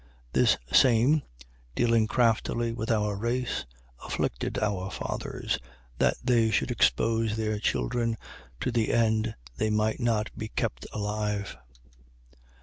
7:19. This same, dealing craftily with our race, afflicted our fathers, that they should expose their children, to the end they might not be kept alive.